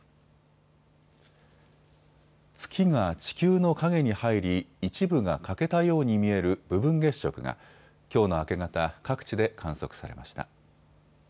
月が地球の影に入り一部が欠けたように見える部分月食がきょうの明け方、各地で観測されました。